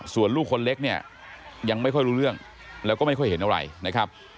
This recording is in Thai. ส่วนลูกคนเล็กเนี่ยยังไม่ค่อยรู้เรื่องแล้วก็ไม่ค่อยเห็นอะไรนะครับ